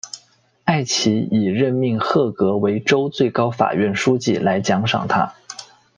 埃奇以任命赫格为州最高法院书记来奖赏他。